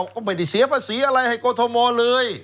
ก็ไม่ได้เสียภาษีอะไรให้กรทมเลย